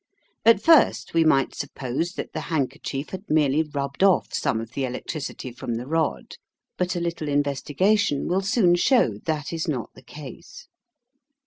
At first we might suppose that the handkerchief had merely rubbed off some of the electricity from the rod, but a little investigation will soon show that is not the case.